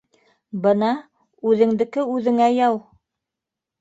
— Бына, үҙеңдеке үҙеңә яу!